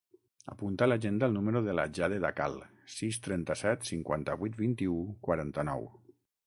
Apunta a l'agenda el número de la Jade Dacal: sis, trenta-set, cinquanta-vuit, vint-i-u, quaranta-nou.